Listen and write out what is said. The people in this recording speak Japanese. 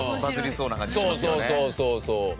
そうそうそうそう。